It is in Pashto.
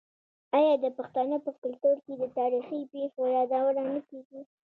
آیا د پښتنو په کلتور کې د تاریخي پیښو یادونه نه کیږي؟